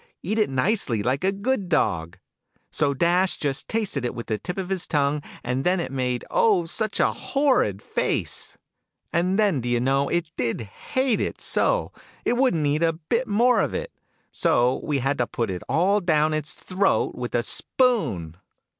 Eat it nicely, like a good dog !'" So Dash just tasted it with the tip of its tongue : and then it made, oh, such a horrid face ! And then, do you know, it did hate it so, it wouldn't eat a bit more of it ! So we had to put it all down its throat with a spoon